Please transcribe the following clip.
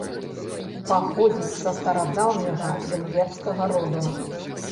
Паходзіць са старадаўняга венгерскага роду.